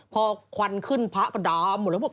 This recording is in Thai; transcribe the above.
พอควันขึ้นพระก็ดำ